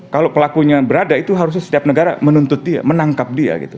kalau pelakunya berada itu harusnya setiap negara menuntut dia menangkap dia gitu